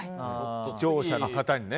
視聴者の方に。